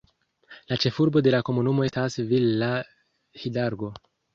La ĉefurbo de la komunumo estas Villa Hidalgo.